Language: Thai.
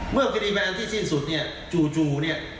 เมื่อคดีเวลาที่สิ้นสุดเนี่ยจู่เนี่ย